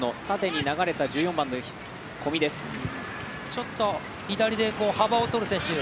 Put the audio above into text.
ちょっと左で幅をとる選手